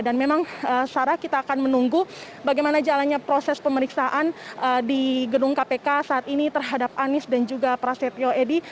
dan memang sarah kita akan menunggu bagaimana jalannya proses pemeriksaan di gedung kpk saat ini terhadap anies dan juga prasetyo edy